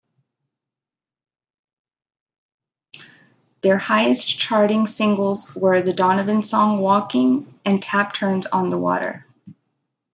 Their highest-charting singles were the Donovan song "Walking", and "Tap Turns on the Water".